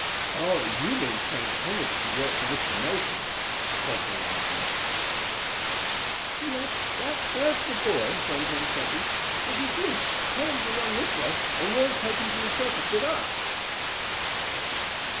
"Oh, you mean Frank Kennedy, who worked for Mr. Mason," said the lumber merchant. "Yes, that's the boy," went on Freddie. "If you see him, tell him to run this way, and we'll take him to the circus with us."